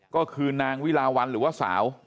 ก็คือนางวิลาวันหรือว่าสาว